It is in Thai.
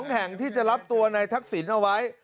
๒แห่งที่จะรับตัวในทักษิณเอาไว้